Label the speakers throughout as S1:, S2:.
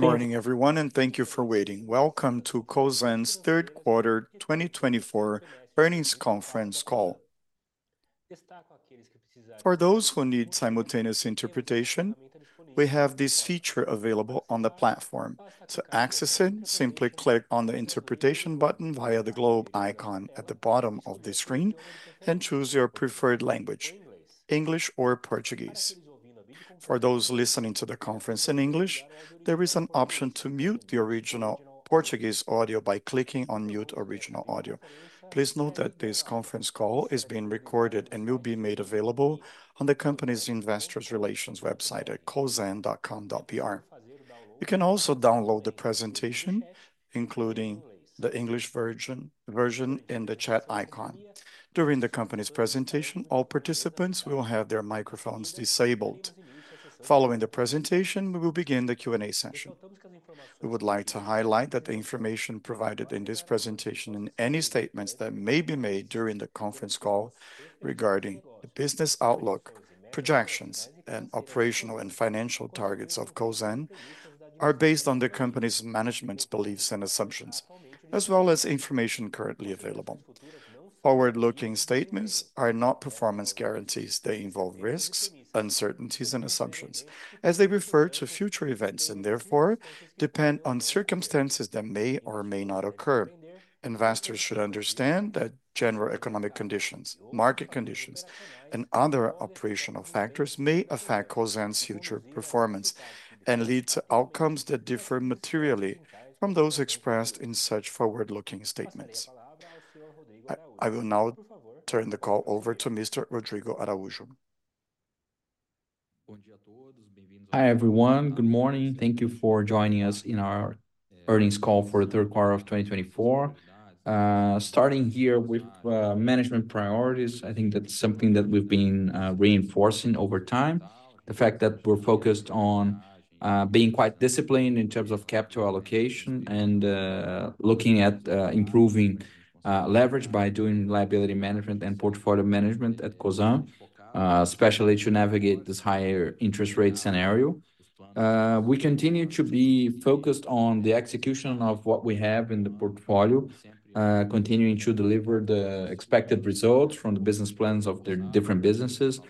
S1: Good morning, everyone, and thank you for waiting. Welcome to Cosan's Third Quarter 2024 Earnings Conference Call. For those who need simultaneous interpretation, we have this feature available on the platform. To access it, simply click on the interpretation button via the globe icon at the bottom of the screen and choose your preferred language: English or Portuguese. For those listening to the conference in English, there is an option to mute the original Portuguese audio by clicking on "Mute original audio." Please note that this conference call is being recorded and will be made available on the company's investors' relations website at cosan.com.br. You can also download the presentation, including the English version in the chat icon. During the company's presentation, all participants will have their microphones disabled. Following the presentation, we will begin the Q&A session. We would like to highlight that the information provided in this presentation and any statements that may be made during the conference call regarding the business outlook, projections, and operational and financial targets of Cosan are based on the company's management's beliefs and assumptions, as well as information currently available. Forward-looking statements are not performance guarantees. They involve risks, uncertainties, and assumptions, as they refer to future events and therefore depend on circumstances that may or may not occur. Investors should understand that general economic conditions, market conditions, and other operational factors may affect Cosan's future performance and lead to outcomes that differ materially from those expressed in such forward-looking statements. I will now turn the call over to Mr. Rodrigo Araujo.
S2: Hi everyone, good morning. Thank you for joining us in our earnings call for the third quarter of 2024. Starting here with management priorities, I think that's something that we've been reinforcing over time. The fact that we're focused on being quite disciplined in terms of capital allocation and looking at improving leverage by doing liability management and portfolio management at Cosan, especially to navigate this higher interest rate scenario. We continue to be focused on the execution of what we have in the portfolio, continuing to deliver the expected results from the business plans of the different businesses.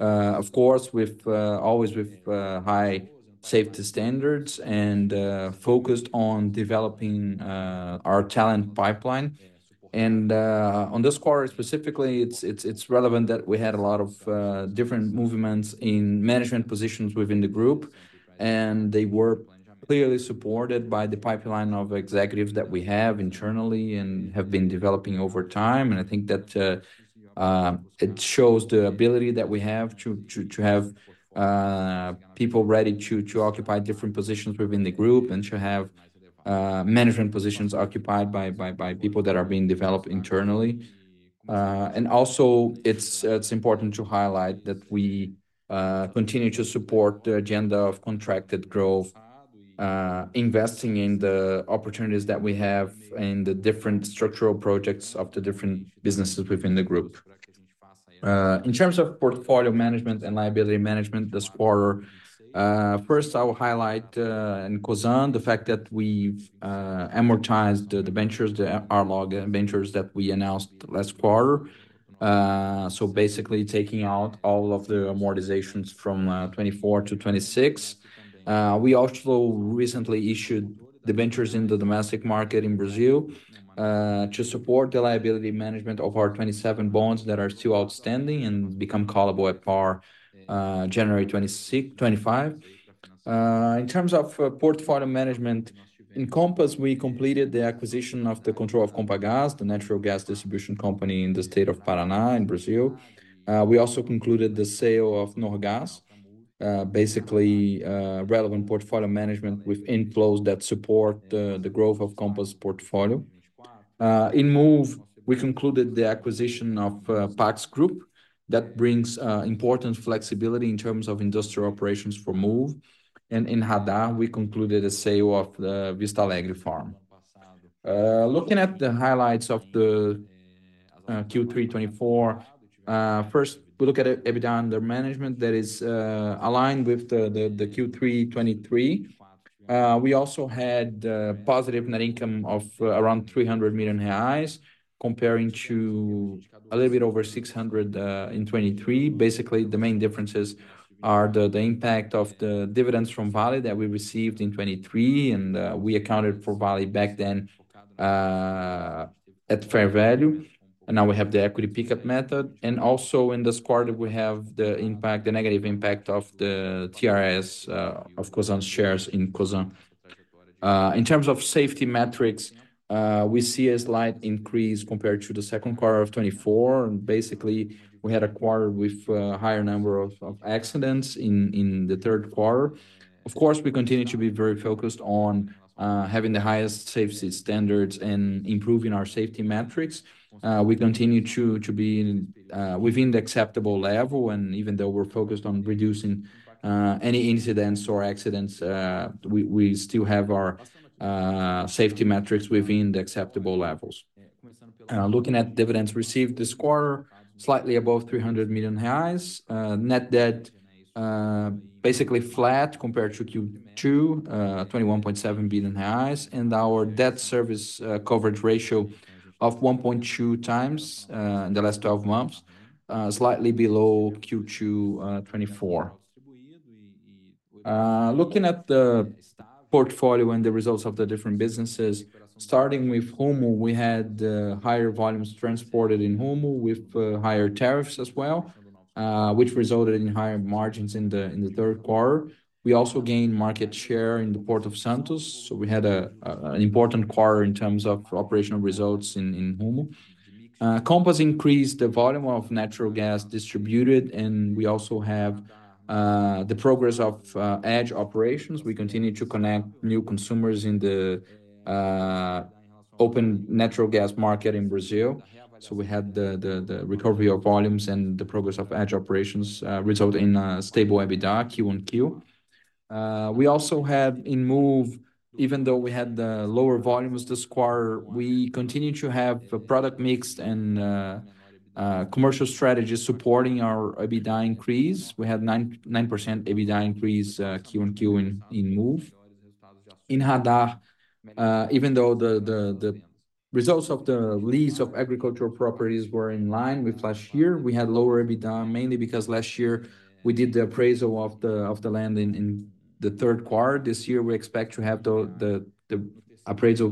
S2: Of course, always with high safety standards and focused on developing our talent pipeline. On this quarter specifically, it's relevant that we had a lot of different movements in management positions within the group, and they were clearly supported by the pipeline of executives that we have internally and have been developing over time. I think that it shows the ability that we have to have people ready to occupy different positions within the group and to have management positions occupied by people that are being developed internally. Also, it's important to highlight that we continue to support the agenda of contracted growth, investing in the opportunities that we have in the different structural projects of the different businesses within the group. In terms of portfolio management and liability management this quarter, first, I will highlight in Cosan the fact that we've amortized the debentures, the RLOG debentures that we announced last quarter. So basically, taking out all of the amortizations from 24-26. We also recently issued the debentures in the domestic market in Brazil to support the liability management of our 27 bonds that are still outstanding and become callable at par January 26, 2025. In terms of portfolio management in Compass, we completed the acquisition of the control of Compagas, the natural gas distribution company in the state of Paraná in Brazil. We also concluded the sale of Norgás, basically relevant portfolio management with inflows that support the growth of Compass portfolio. In Moove, we concluded the acquisition of Pax Group. That brings important flexibility in terms of industrial operations for Moove. And in Radar, we concluded the sale of the Vista Alegre Farm. Looking at the highlights of the Q3 2024, first, we look at EBITDA under management that is aligned with the Q3 2023. We also had a positive net income of around 300 million reais, comparing to a little bit over 600 million in 2023. Basically, the main differences are the impact of the dividends from Vale that we received in 2023, and we accounted for Vale back then at fair value and now we have the equity pickup method and also in this quarter, we have the impact, the negative impact of the TRS of Cosan's shares in Cosan. In terms of safety metrics, we see a slight increase compared to the second quarter of 2024. Basically, we had a quarter with a higher number of accidents in the third quarter. Of course, we continue to be very focused on having the highest safety standards and improving our safety metrics. We continue to be within the acceptable level, and even though we're focused on reducing any incidents or accidents, we still have our safety metrics within the acceptable levels. Looking at dividends received this quarter, slightly above 300 million reais, net debt basically flat compared to Q2, 21.7 billion reais, and our debt service coverage ratio of 1.2 times in the last 12 months, slightly below Q2 2024. Looking at the portfolio and the results of the different businesses, starting with Rumo, we had higher volumes transported in Rumo with higher tariffs as well, which resulted in higher margins in the third quarter. We also gained market share in the port of Santos, so we had an important quarter in terms of operational results in Rumo. Compass increased the volume of natural gas distributed, and we also have the progress of acquisitions. We continue to connect new consumers in the open natural gas market in Brazil. So we had the recovery of volumes and the progress of edge operations resulted in a stable EBITDA, Q-o-Q. We also have in Moove, even though we had the lower volumes this quarter, we continue to have a product mix and commercial strategy supporting our EBITDA increase. We had a 9% EBITDA increase Q-o-Q in Moove. In Radar, even though the results of the lease of agricultural properties were in line with last year, we had lower EBITDA mainly because last year we did the appraisal of the land in the third quarter. This year, we expect to have the appraisal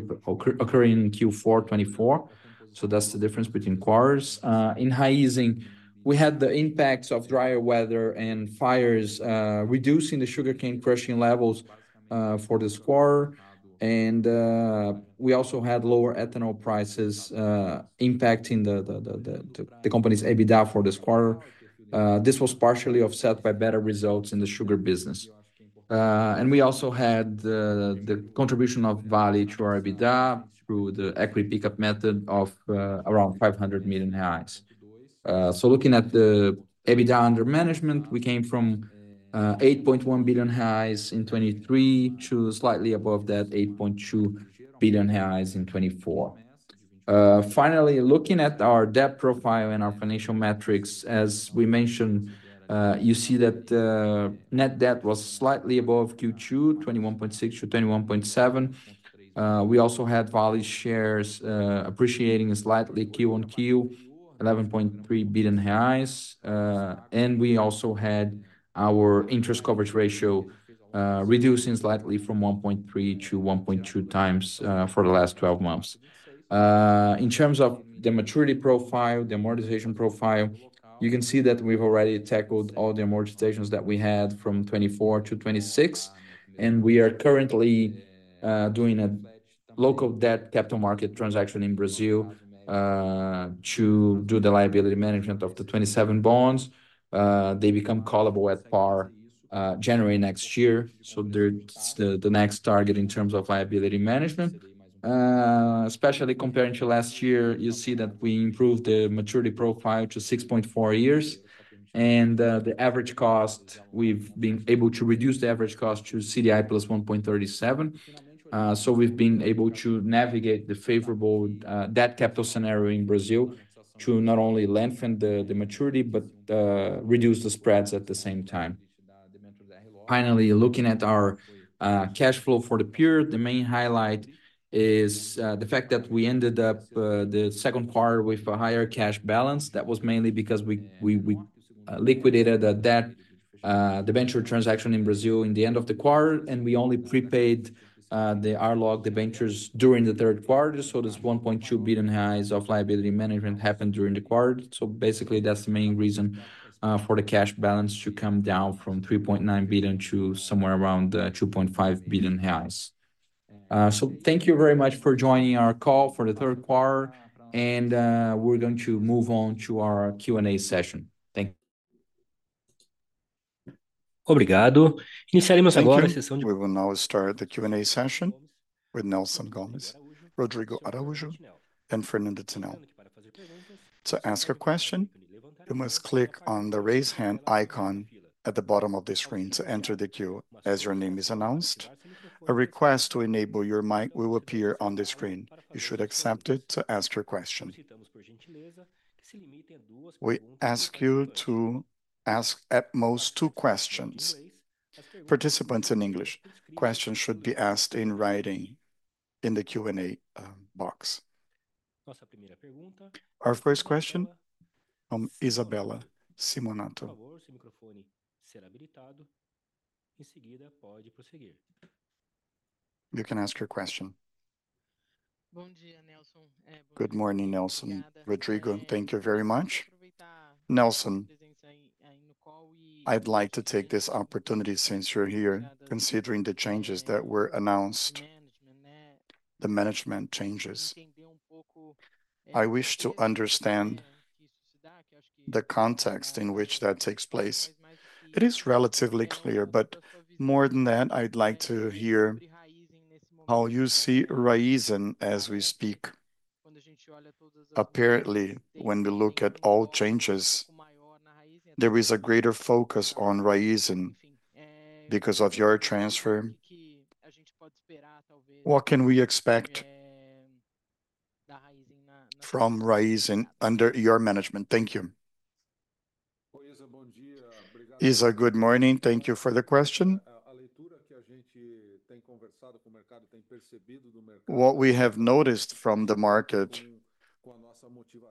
S2: occurring in Q4 2024. So that's the difference between quarters. In Raízen, we had the impacts of drier weather and fires reducing the sugarcane crushing levels for this quarter. We also had lower ethanol prices impacting the company's EBITDA for this quarter. This was partially offset by better results in the sugar business. We also had the contribution of Vale to our EBITDA through the equity pickup method of around 500 million reais. Looking at the EBITDA under management, we came from 8.1 billion reais in 2023 to slightly above that, 8.2 billion reais in 2024. Finally, looking at our debt profile and our financial metrics, as we mentioned, you see that net debt was slightly above Q2, 21.6-21.7 billion. We also had Vale shares appreciating slightly Q-o-Q, 11.3 billion reais. We also had our interest coverage ratio reducing slightly from 1.3x-1.2x for the last 12 months. In terms of the maturity profile, the amortization profile, you can see that we've already tackled all the amortizations that we had from 2024 to 2026, and we are currently doing a local debt capital market transaction in Brazil to do the liability management of the 2027 bonds. They become callable at par January next year, so the next target in terms of liability management, especially comparing to last year, you see that we improved the maturity profile to 6.4 years, and the average cost, we've been able to reduce the average cost to CDI plus 1.37, so we've been able to navigate the favorable debt capital scenario in Brazil to not only lengthen the maturity but reduce the spreads at the same time. Finally, looking at our cash flow for the period, the main highlight is the fact that we ended up the second quarter with a higher cash balance. That was mainly because we liquidated the debt, the debenture transaction in Brazil in the end of the quarter, and we only prepaid the Rumo, the debentures during the third quarter. So this 1.2 billion reais of liability management happened during the quarter. So basically, that's the main reason for the cash balance to come down from 3.9 billion to somewhere around 2.5 billion reais. So thank you very much for joining our call for the third quarter. And we're going to move on to our Q&A session. Thank you.
S1: We will now start the Q&A session with Nelson Gomes, Rodrigo Araujo, and Fernando Tinel. To ask a question, you must click on the raise hand icon at the bottom of the screen to enter the queue. As your name is announced, a request to enable your mic will appear on the screen. You should accept it to ask your question. We ask you to ask at most two questions. Participants in English. Questions should be asked in writing in the Q&A box. Our first question from Isabella Simonato. You can ask your question. Good morning, Nelson. Rodrigo, thank you very much. Nelson, I'd like to take this opportunity since you're here. Considering the changes that were announced, the management changes, I wish to understand the context in which that takes place. It is relatively clear, but more than that, I'd like to hear how you see Raízen as we speak. Apparently, when we look at all changes, there is a greater focus on Raízen because of your transfer. What can we expect from Raízen under your management? Thank you.
S3: Isa, good morning. Thank you for the question. What we have noticed from the market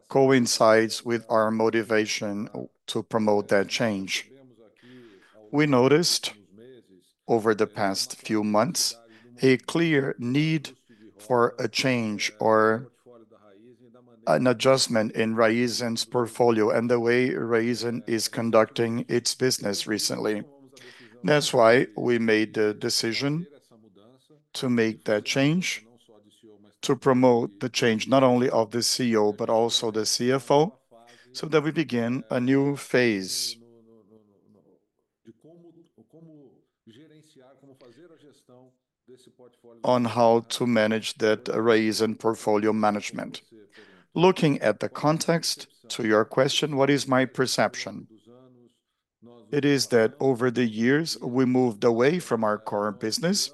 S3: coincides with our motivation to promote that change. We noticed over the past few months a clear need for a change or an adjustment in Raízen's portfolio and the way Raízen is conducting its business recently. That's why we made the decision to make that change, to promote the change not only of the CEO but also the CFO, so that we begin a new phase on how to manage that Raízen portfolio management. Looking at the context to your question, what is my perception? It is that over the years, we moved away from our current business.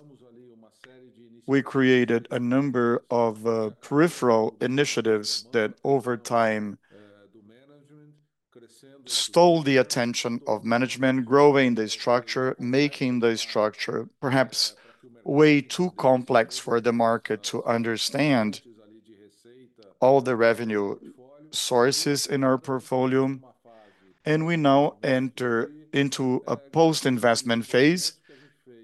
S3: We created a number of peripheral initiatives that over time stole the attention of management, growing the structure, making the structure perhaps way too complex for the market to understand all the revenue sources in our portfolio, and we now enter into a post-investment phase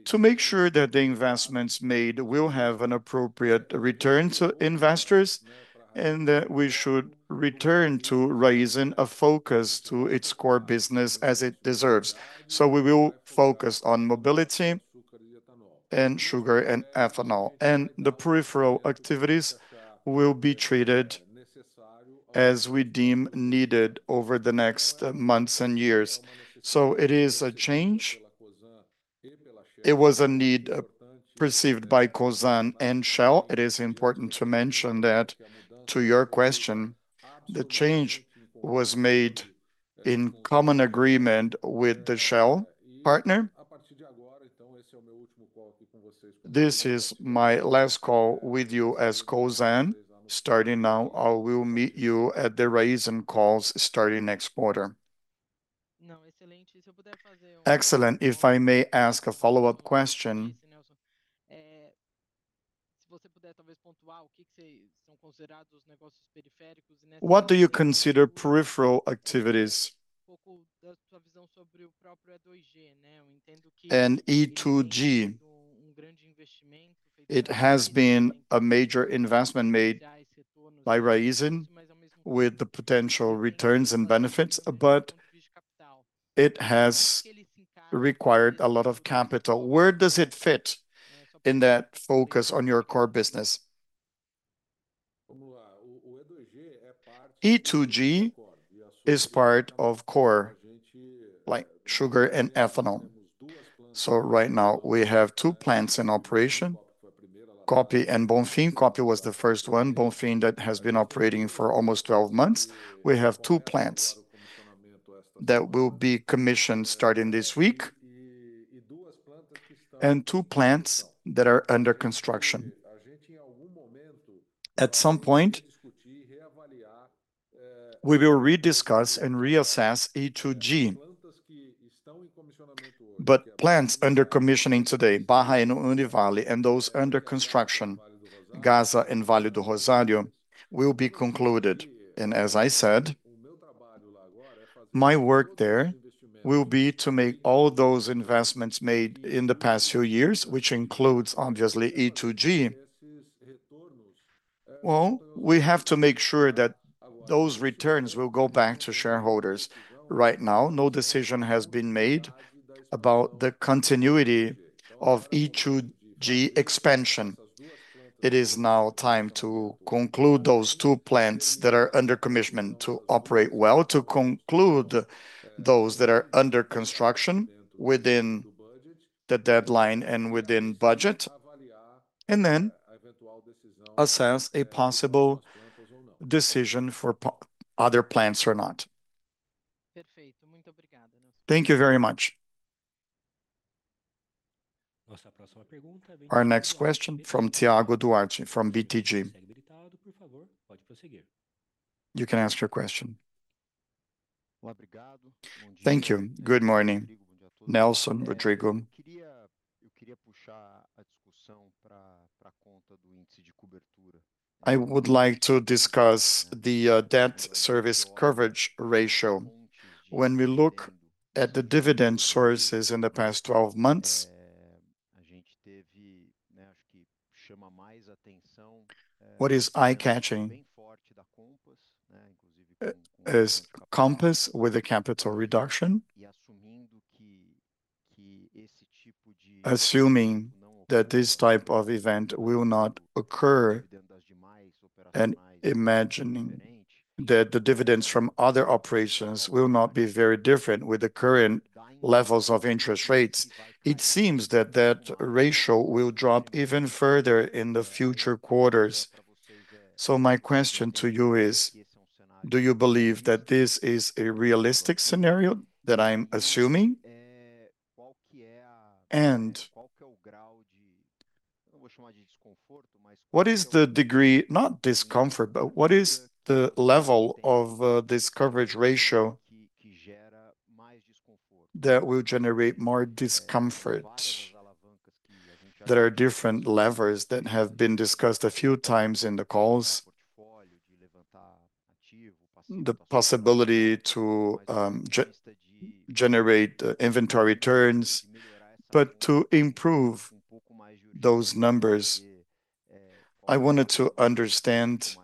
S3: to make sure that the investments made will have an appropriate return to investors and that we should return to Raízen a focus to its core business as it deserves, so we will focus on mobility and sugar and ethanol. The peripheral activities will be treated as we deem needed over the next months and years. It is a change. It was a need perceived by Cosan and Shell. It is important to mention that to your question, the change was made in common agreement with the Shell partner. This is my last call with you as Cosan. Starting now, I will meet you at the Raízen calls starting next quarter. Excellent. If I may ask a follow-up question. What do you consider peripheral activities? E2G. It has been a major investment made by Raízen with the potential returns and benefits, but it has required a lot of capital. Where does it fit in that focus on your core business? E2G is part of core like sugar and ethanol. Right now, we have two plants in operation. Costa Pinto and Bonfim. Costa Pinto was the first one. Bonfim that has been operating for almost 12 months. We have two plants that will be commissioned starting this week and two plants that are under construction. At some point, we will rediscuss and reassess E2G. Plants under commissioning today, Barra and Univalem, and those under construction, Gasa and Vale do Rosário, will be concluded. As I said, my work there will be to make all those investments made in the past few years, which includes, obviously, E2G. We have to make sure that those returns will go back to shareholders. Right now, no decision has been made about the continuity of E2G expansion. It is now time to conclude those two plants that are under commissioning to operate well, to conclude those that are under construction within the deadline and within budget, and then assess a possible decision for other plants or not. Thank you very much.
S1: Our next question from Thiago Duarte from BTG Pactual. You can ask your question.
S4: Thank you. Good morning, Nelson, Rodrigo. I would like to discuss the debt service coverage ratio. When we look at the dividend sources in the past 12 months, what is eye-catching? Assuming that this type of event will not occur and imagining that the dividends from other operations will not be very different with the current levels of interest rates, it seems that that ratio will drop even further in the future quarters. So my question to you is, do you believe that this is a realistic scenario that I'm assuming? And what is the degree, not discomfort, but what is the level of this coverage ratio that will generate more discomfort? There are different levers that have been discussed a few times in the calls, the possibility to generate inventory returns, but to improve those numbers. I wanted to understand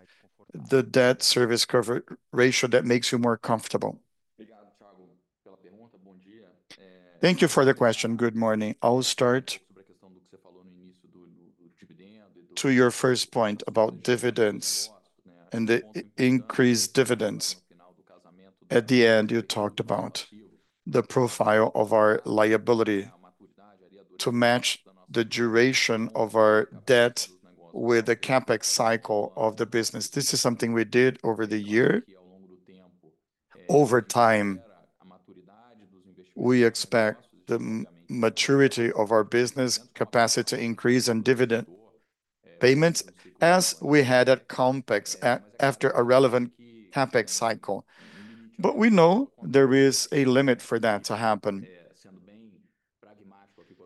S4: the debt service coverage ratio that makes you more comfortable.
S2: Thank you for the question. Good morning. I'll start. To your first point about dividends and the increased dividends. At the end, you talked about the profile of our liability to match the duration of our debt with the CapEx cycle of the business. This is something we did over the year. Over time, we expect the maturity of our business capacity to increase in dividend payments as we had at Compass after a relevant CapEx cycle. But we know there is a limit for that to happen.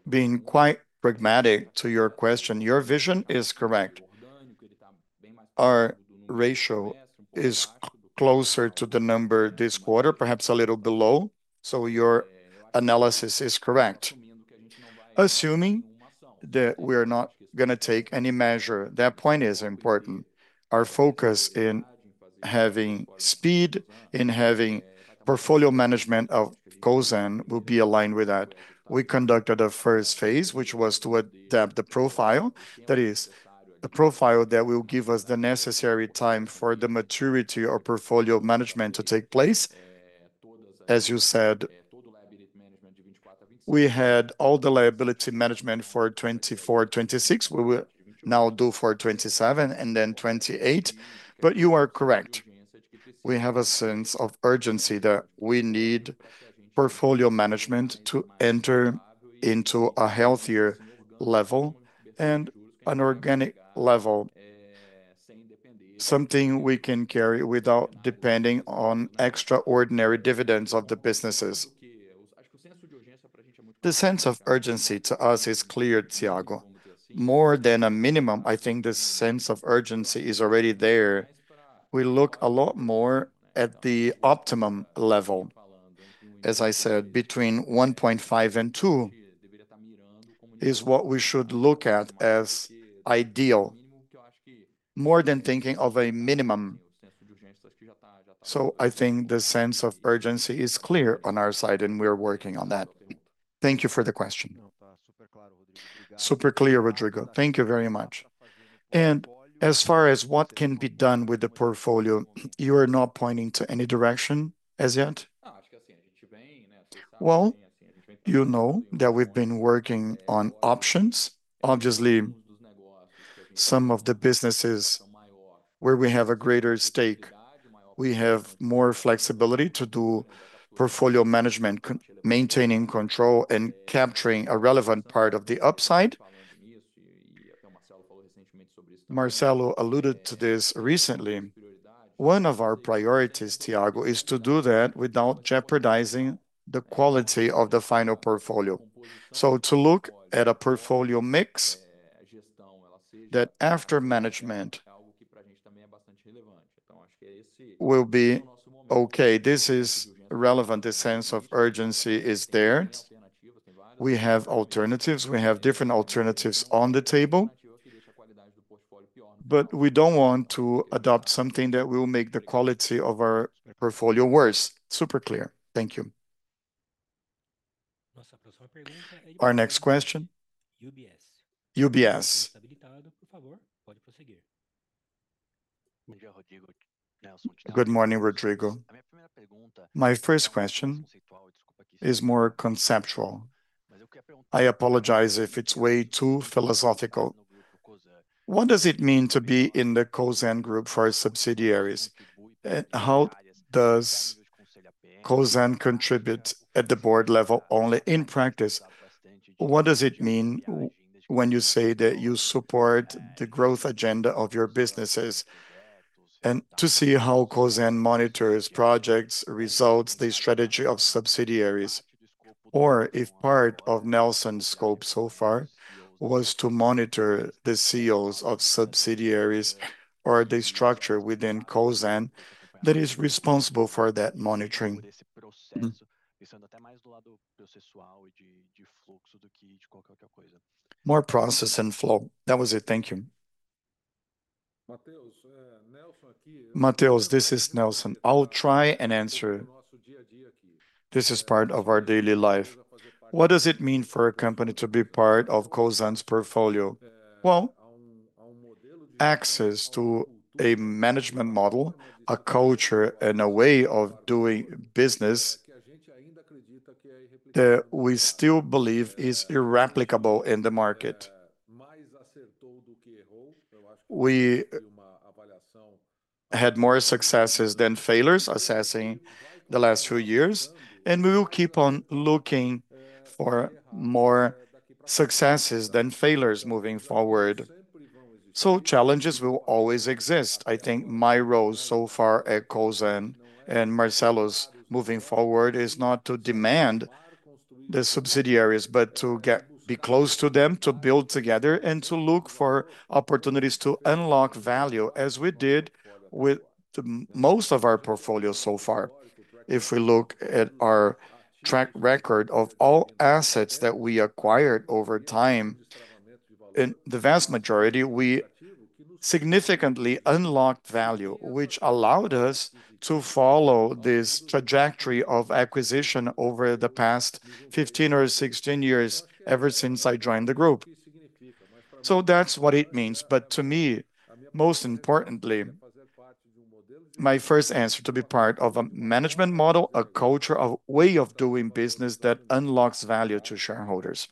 S2: Being quite pragmatic to your question, your vision is correct. Our ratio is closer to the number this quarter, perhaps a little below. So your analysis is correct. Assuming that we are not going to take any measure, that point is important. Our focus in having speed in having portfolio management of Cosan will be aligned with that. We conducted a first phase, which was to adapt the profile. That is, the profile that will give us the necessary time for the maturity or portfolio management to take place. As you said, we had all the liability management for 2024, 2026. We will now do for 2027 and then 2028. But you are correct. We have a sense of urgency that we need portfolio management to enter into a healthier level and an organic level, something we can carry without depending on extraordinary dividends of the businesses. The sense of urgency to us is clear, Thiago. More than a minimum, I think the sense of urgency is already there. We look a lot more at the optimum level. As I said, between 1.5 and 2 is what we should look at as ideal, more than thinking of a minimum. So I think the sense of urgency is clear on our side, and we are working on that. Thank you for the question.
S4: Super clear, Rodrigo. Thank you very much. And as far as what can be done with the portfolio, you are not pointing to any direction as yet?
S2: Well, you know that we've been working on options. Obviously, some of the businesses where we have a greater stake, we have more flexibility to do portfolio management, maintaining control and capturing a relevant part of the upside. Marcelo alluded to this recently. One of our priorities, Thiago, is to do that without jeopardizing the quality of the final portfolio. So to look at a portfolio mix that after management will be okay. This is relevant. The sense of urgency is there. We have alternatives. We have different alternatives on the table, but we don't want to adopt something that will make the quality of our portfolio worse.
S4: Super clear. Thank you.
S1: Our next question, UBS. Good morning, Rodrigo. My first question is more conceptual. I apologize if it's way too philosophical. What does it mean to be in the Cosan Group for subsidiaries? How does Cosan contribute at the board level only in practice? What does it mean when you say that you support the growth agenda of your businesses and to see how Cosan monitors projects, results, the strategy of subsidiaries? Or if part of Nelson's scope so far was to monitor the CEOs of subsidiaries or the structure within Cosan that is responsible for that monitoring. More process and flow. That was it. Thank you.
S3: Mateus, this is Nelson. I'll try and answer. This is part of our daily life. What does it mean for a company to be part of Cosan's portfolio? Well, access to a management model, a culture, and a way of doing business that we still believe is irreplicable in the market. We had more successes than failures assessing the last few years, and we will keep on looking for more successes than failures moving forward. So challenges will always exist. I think my role so far at Cosan and Marcelo's moving forward is not to demand the subsidiaries, but to be close to them, to build together, and to look for opportunities to unlock value as we did with most of our portfolio so far. If we look at our track record of all assets that we acquired over time, in the vast majority, we significantly unlocked value, which allowed us to follow this trajectory of acquisition over the past 15 or 16 years ever since I joined the group. So that's what it means. But to me, most importantly, my first answer is to be part of a management model, a culture, a way of doing business that unlocks value to shareholders.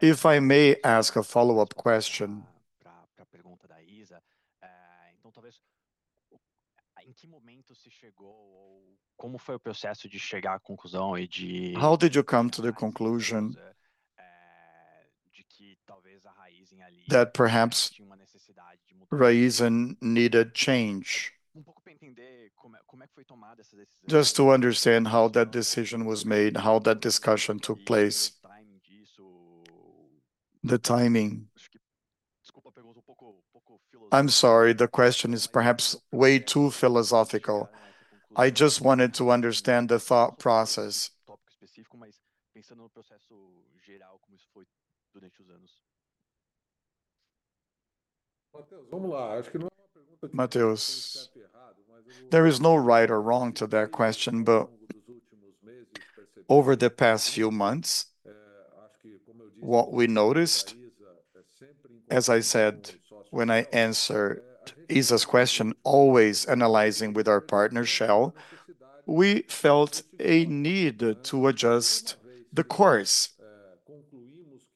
S3: If I may ask a follow-up question. How did you come to the conclusion that perhaps Raízen needed change? I'm sorry. The question is perhaps way too philosophical. I just wanted to understand the thought process. There is no right or wrong to that question, but over the past few months, what we noticed, as I said, when I answered Isa's question, always analyzing with our partner, Shell, we felt a need to adjust the course.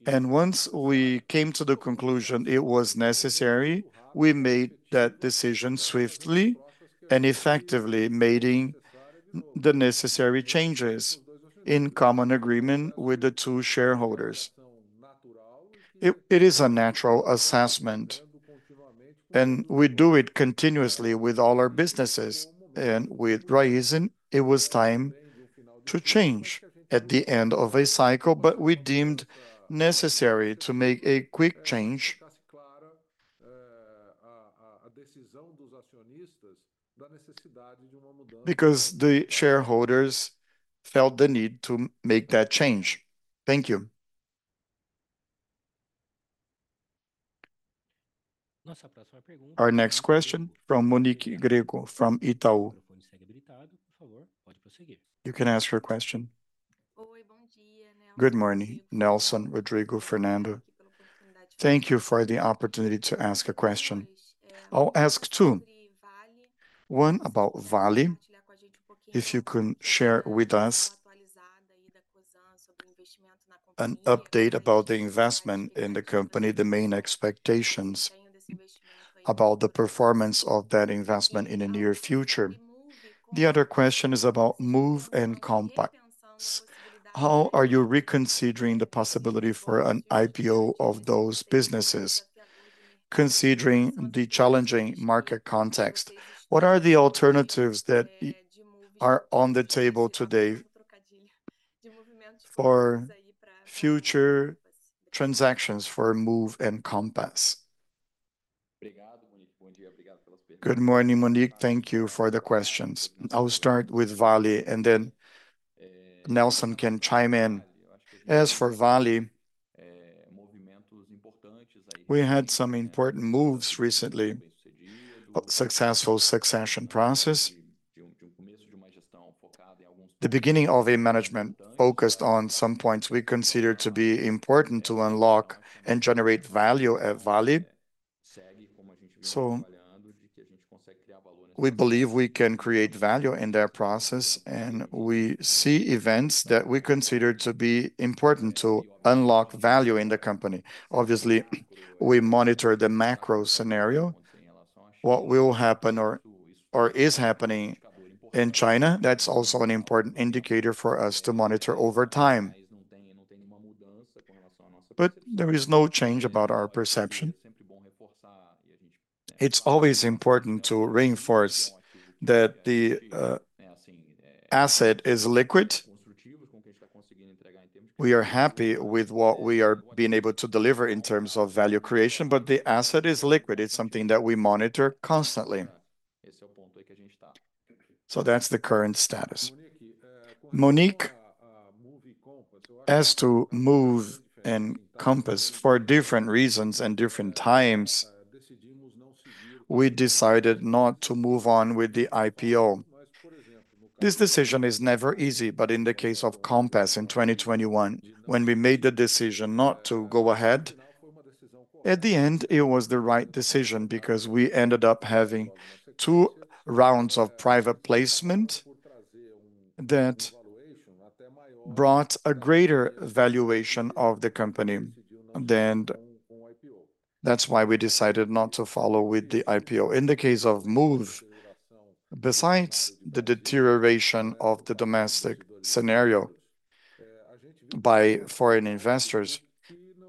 S3: And once we came to the conclusion it was necessary, we made that decision swiftly and effectively, making the necessary changes in common agreement with the two shareholders. It is a natural assessment, and we do it continuously with all our businesses and with Raízen. It was time to change at the end of a cycle, but we deemed necessary to make a quick change because the shareholders felt the need to make that change. Thank you.
S1: Our next question from Monique Greco from Itaú. You can ask your question.
S5: Good morning, Nelson Rodrigo Fernando. Thank you for the opportunity to ask a question. I'll ask two. One about Vale, if you can share with us an update about the investment in the company, the main expectations about the performance of that investment in the near future. The other question is about Moove and Compass. How are you reconsidering the possibility for an IPO of those businesses considering the challenging market context? What are the alternatives that are on the table today for future transactions for Moove and Compass?
S2: Good morning, Monique. Thank you for the questions. I'll start with Vale, and then Nelson can chime in. As for Vale, we had some important moves recently. Successful succession process. The beginning of a management focused on some points we consider to be important to unlock and generate value at Vale. We believe we can create value in their process, and we see events that we consider to be important to unlock value in the company. Obviously, we monitor the macro scenario, what will happen or is happening in China. That's also an important indicator for us to monitor over time. But there is no change about our perception. It's always important to reinforce that the asset is liquid. We are happy with what we are being able to deliver in terms of value creation, but the asset is liquid. It's something that we monitor constantly. So that's the current status.
S3: Monique, as to Moove and Compass, for different reasons and different times, we decided not to move on with the IPO. This decision is never easy, but in the case of Compass in 2021, when we made the decision not to go ahead, at the end, it was the right decision because we ended up having two rounds of private placement that brought a greater valuation of the company. That's why we decided not to follow with the IPO. In the case of Moove, besides the deterioration of the domestic scenario by foreign investors,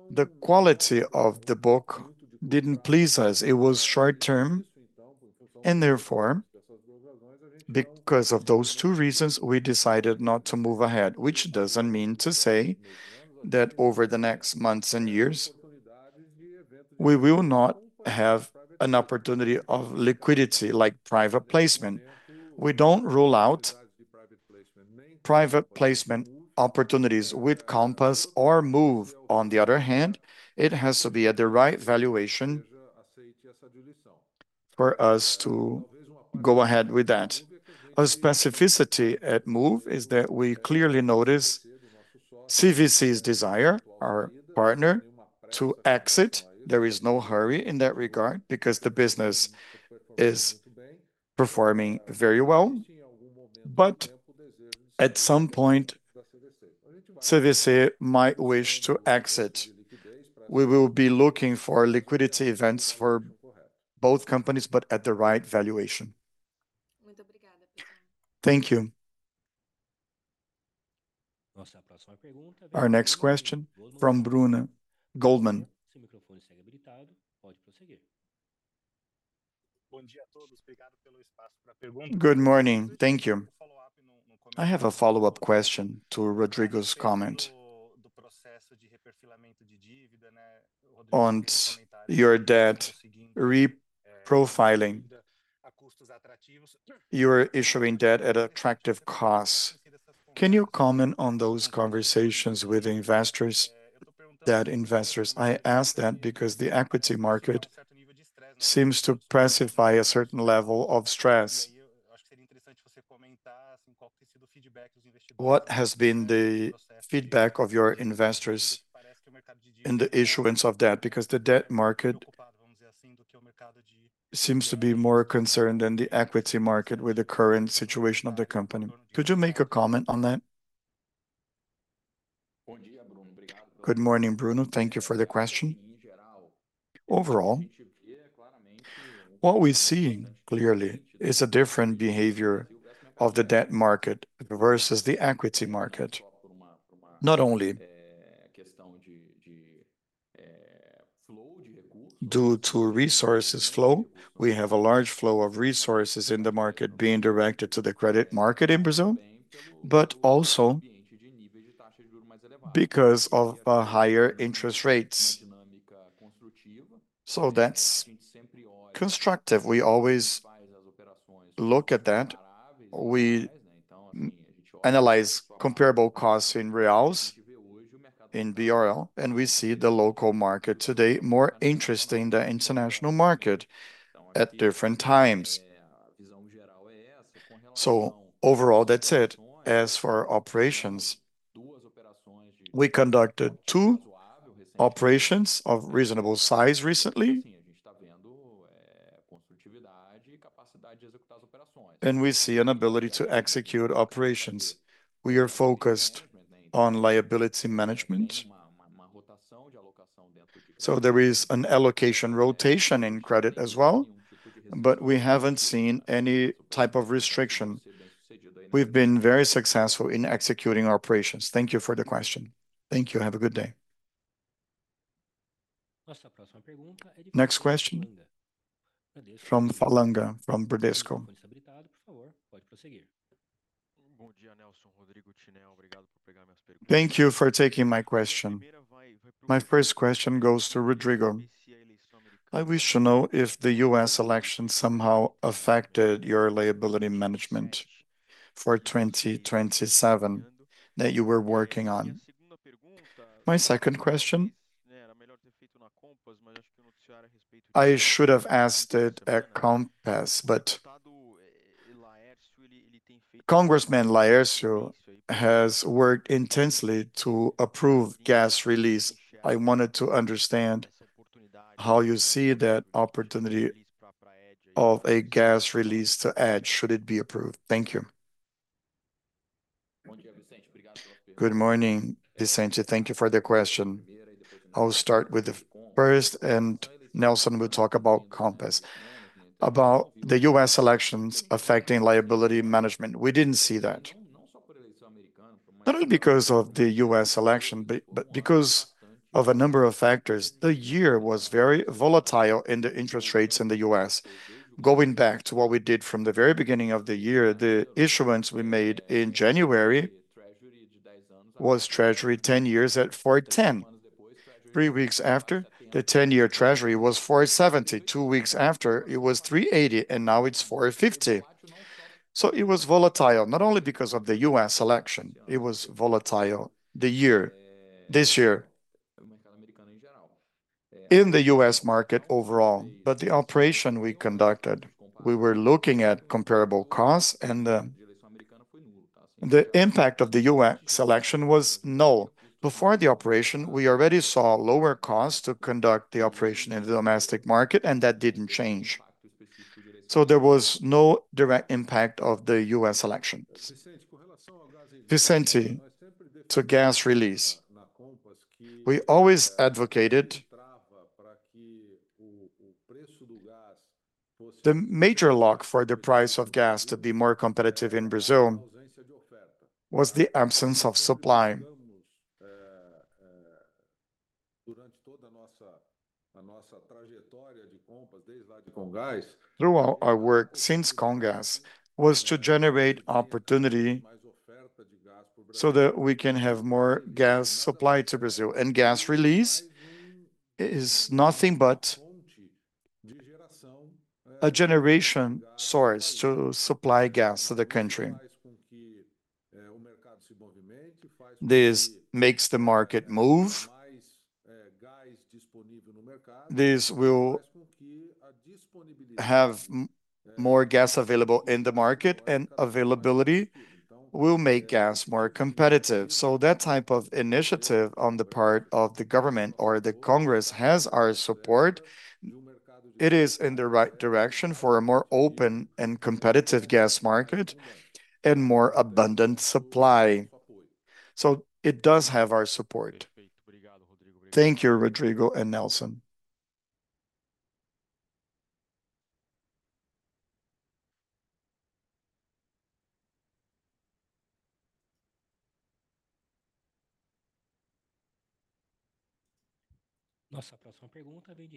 S3: the quality of the book didn't please us. It was short-term, and therefore, because of those two reasons, we decided not to move ahead, which doesn't mean to say that over the next months and years, we will not have an opportunity of liquidity like private placement. We don't rule out private placement opportunities with Compass or Moove. On the other hand, it has to be at the right valuation for us to go ahead with that. A specificity at Moove is that we clearly notice CVC's desire, our partner, to exit. There is no hurry in that regard because the business is performing very well. But at some point, CVC might wish to exit. We will be looking for liquidity events for both companies, but at the right valuation.
S5: Thank you.
S1: Our next question from Bruno, Goldman. Good morning. Thank you. I have a follow-up question to Rodrigo's comment. Can you comment on those conversations with investors? I ask that because the equity market seems to pacify a certain level of stress. What has been the feedback of your investors in the issuance of debt? Because the debt market seems to be more concerned than the equity market with the current situation of the company. Could you make a comment on that?
S2: Good morning, Bruno. Thank you for the question. Overall, what we see clearly is a different behavior of the debt market versus the equity market. Not only due to resources flow, we have a large flow of resources in the market being directed to the credit market in Brazil, but also because of higher interest rates. So that's constructive. We always look at that. We analyze comparable costs in reals in BRL, and we see the local market today more interesting than the international market at different times. So overall, that's it. As for operations, we conducted two operations of reasonable size recently. And we see an ability to execute operations. We are focused on liability management. So there is an allocation rotation in credit as well, but we haven't seen any type of restriction. We've been very successful in executing our operations. Thank you for the question. Thank you. Have a good day.
S1: Next question from Falanga from Bradesco.
S6: Thank you for taking my question. My first question goes to Rodrigo. I wish to know if the U.S. election somehow affected your liability management for 2027 that you were working on. My second question, I should have asked it at Compass, but Congressman Laércio has worked intensely to approve Gas Release. I wanted to understand how you see that opportunity of a Gas Release to Compass should it be approved. Thank you.
S2: Good morning, Vicente. Thank you for the question. I'll start with the first, and Nelson will talk about Compass, about the U.S. elections affecting liability management. We didn't see that not only because of the U.S. election, but because of a number of factors. The year was very volatile in the interest rates in the U.S. Going back to what we did from the very beginning of the year, the issuance we made in January was Treasury 10 years at 410. Three weeks after, the 10-year Treasury was 470. Two weeks after, it was 380, and now it's 450. So it was volatile, not only because of the U.S. election. It was volatile this year in the U.S. market overall, but the operation we conducted, we were looking at comparable costs, and the impact of the U.S. election was null. Before the operation, we already saw lower costs to conduct the operation in the domestic market, and that didn't change. So there was no direct impact of the U.S. election.
S3: Vicente, to Gas Release, we always advocated the major lock for the price of gas to be more competitive in Brazil was the absence of supply. Through our work since Comgás was to generate opportunity so that we can have more gas supply to Brazil, and Gas Release is nothing but a generation source to supply gas to the country. This makes the market move. This will have more gas available in the market, and availability will make gas more competitive, so that type of initiative on the part of the government or the Congress has our support. It is in the right direction for a more open and competitive gas market and more abundant supply, so it does have our support.
S6: Thank you, Rodrigo and Nelson.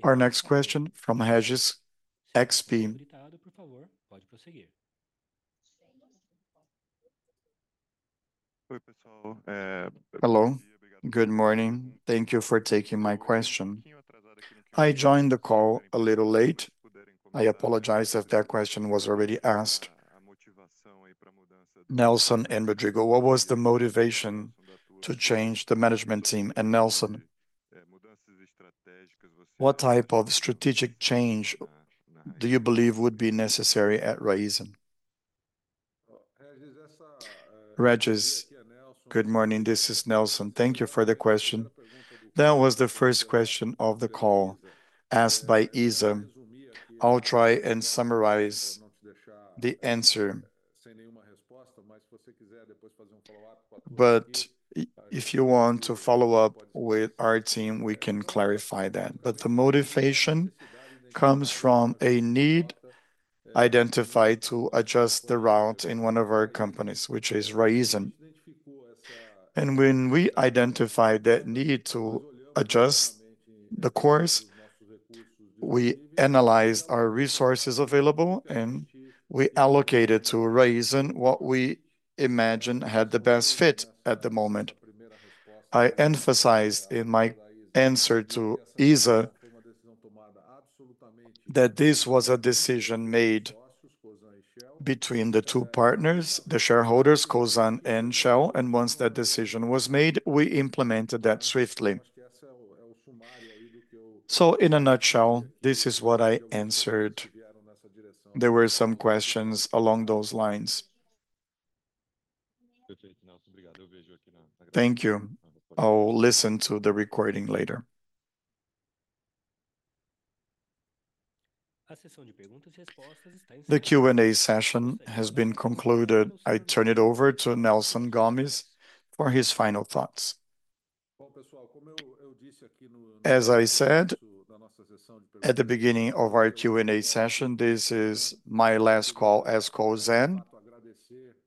S1: Our next question from Regis, XP. Oi, pessoal.
S7: Hello. Good morning. Thank you for taking my question. I joined the call a little late. I apologize if that question was already asked. Nelson and Rodrigo, what was the motivation to change the management team? And Nelson, what type of strategic change do you believe would be necessary at Raízen?
S3: Regis, good morning. This is Nelson. Thank you for the question. That was the first question of the call asked by Isa. I'll try and summarize the answer, but if you want to follow up with our team, we can clarify that. But the motivation comes from a need identified to adjust the route in one of our companies, which is Raízen. And when we identified that need to adjust the course, we analyzed our resources available, and we allocated to Raízen what we imagined had the best fit at the moment. I emphasized in my answer to Isa that this was a decision made between the two partners, the shareholders, Cosan and Shell. And once that decision was made, we implemented that swiftly. So in a nutshell, this is what I answered. There were some questions along those lines.
S7: Thank you. I'll listen to the recording later.
S1: The Q&A session has been concluded. I turn it over to Nelson Gomes for his final thoughts.
S3: As I said at the beginning of our Q&A session, this is my last call as Cosan.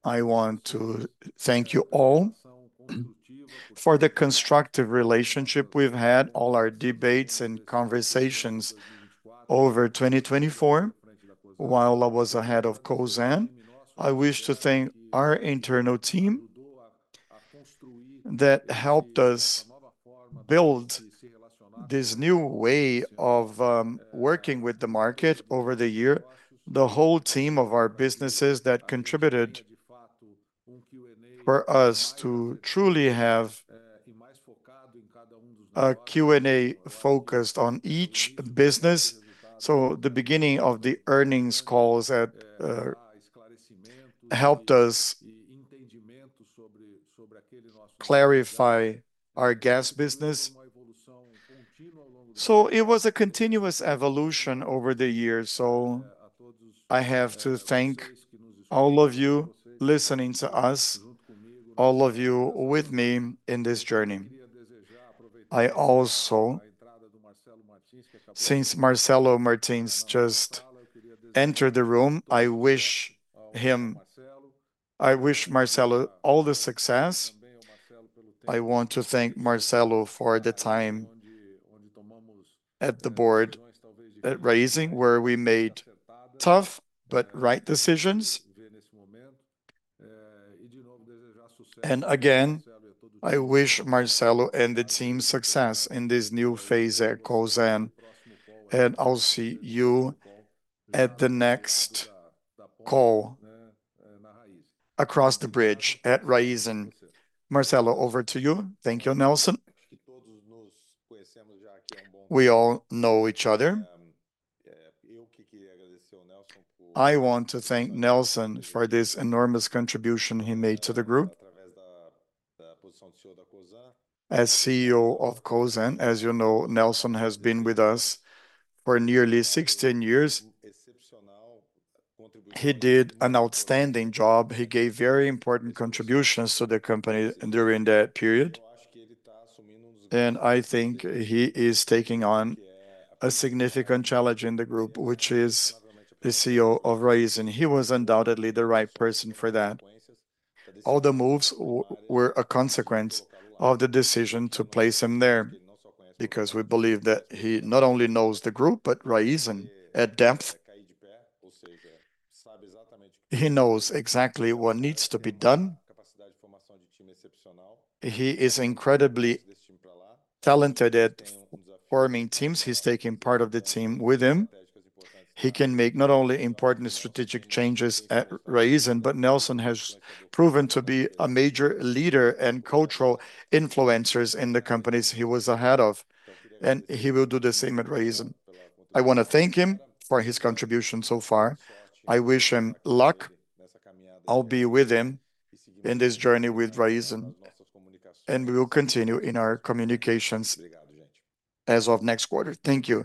S3: I want to thank you all for the constructive relationship we've had, all our debates and conversations over 2024. While I was ahead of Cosan, I wish to thank our internal team that helped us build this new way of working with the market over the year, the whole team of our businesses that contributed for us to truly have a Q&A focused on each business. So the beginning of the earnings calls helped us clarify our gas business. So it was a continuous evolution over the years. I have to thank all of you listening to us, all of you with me in this journey. I also, since Marcelo Martins just entered the room, I wish him. I wish Marcelo all the success. I want to thank Marcelo for the time at the board at Raízen, where we made tough but right decisions. And again, I wish Marcelo and the team success in this new phase at Cosan. And I'll see you at the next call across the bridge at Raízen. Marcelo, over to you.
S8: Thank you, Nelson. We all know each other. I want to thank Nelson for this enormous contribution he made to the group. As CEO of Cosan, as you know, Nelson has been with us for nearly 16 years. He did an outstanding job. He gave very important contributions to the company during that period. I think he is taking on a significant challenge in the group, which is the CEO of Raízen. He was undoubtedly the right person for that. All the moves were a consequence of the decision to place him there because we believe that he not only knows the group, but Raízen at depth. He knows exactly what needs to be done. He is incredibly talented at forming teams. He's taking part of the team with him. He can make not only important strategic changes at Raízen, but Nelson has proven to be a major leader and cultural influencer in the companies he was ahead of. He will do the same at Raízen. I want to thank him for his contribution so far. I wish him luck. I'll be with him in this journey with Raízen. We will continue in our communications as of next quarter. Thank you.